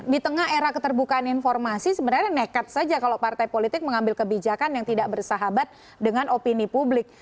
di tengah era keterbukaan informasi sebenarnya nekat saja kalau partai politik mengambil kebijakan yang tidak bersahabat dengan opini publik